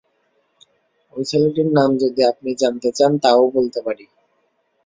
ঐ ছেলেটির নাম যদি আপনি জানতে চান, তাও বলতে পারি।